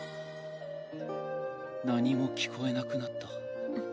何も聞こえなくなった。